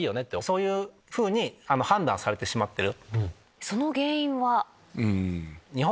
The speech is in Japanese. そういうふうに判断されてしまってる。